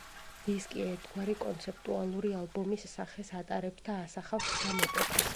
დისკი ერთგვარი კონცეპტუალური ალბომის სახეს ატარებს და ასახავს სამ ეპოქას.